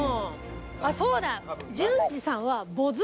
あっそうだ！